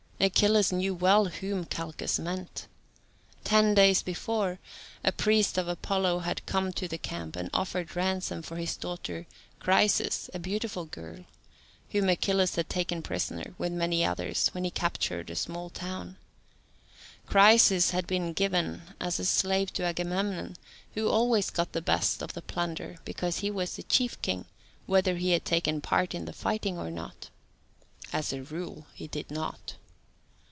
Achilles knew well whom Calchas meant. Ten days before, a priest of Apollo had come to the camp and offered ransom for his daughter Chryseis, a beautiful girl, whom Achilles had taken prisoner, with many others, when he captured a small town. Chryseis had been given as a slave to Agamemnon, who always got the best of the plunder because he was chief king, whether he had taken part in the fighting or not. As a rule he did not.